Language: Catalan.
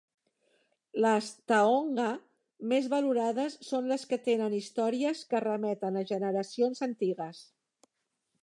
Les "taonga" més valorades són les que tenen històries que remeten a generacions antigues.